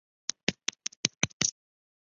该文物保护单位由集安市文物局管理。